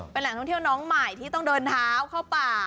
เป็นแหล่งท่องเที่ยวน้องใหม่ที่ต้องเดินเท้าเข้าป่า